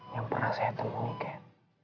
yang pernah saya temui kat